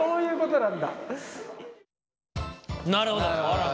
なるほど。